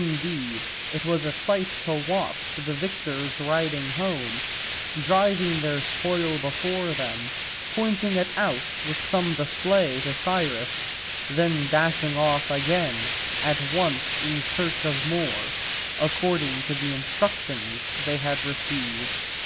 Indeed it was a sight to watch the victors riding home, driving their spoil before them, pointing it out with some display to Cyrus, and then dashing off again at once in search of more, according to the instructions they had received.